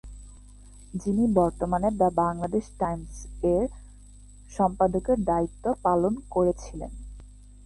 যিনি বর্তমানে "দ্য বাংলাদেশ টাইমস-এর" সম্পাদকের দায়িত্ব পালন করেছিলেন।